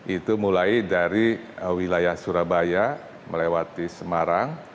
itu mulai dari wilayah surabaya melewati semarang